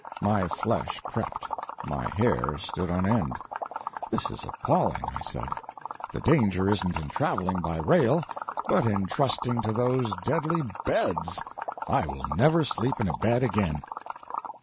My flesh crept, my hair stood on end. "This is appalling!" I said. "The danger isn't in travelling by rail, but in trusting to those deadly beds. I will never sleep in a bed again."